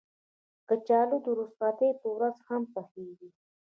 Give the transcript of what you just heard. کچالو د رخصتۍ په ورځ هم پخېږي